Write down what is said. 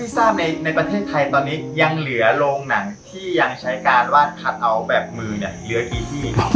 มุมสบายมันเปลี่ยนไปแล้ว